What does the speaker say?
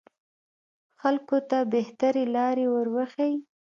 خلکو ته بهترې لارې وروښيي